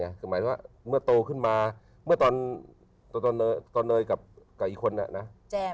คือหมายถึงว่าเมื่อโตขึ้นมาเมื่อตอนเนยกับอีกคนน่ะนะ